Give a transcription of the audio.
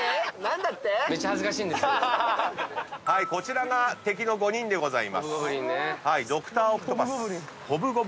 こちらが敵の５人でございます。